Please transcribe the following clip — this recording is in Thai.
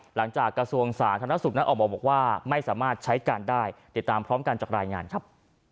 กระทรวงสาธารณสุขนั้นออกมาบอกว่าไม่สามารถใช้การได้ติดตามพร้อมกันจากรายงานครับ